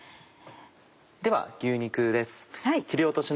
では牛肉です。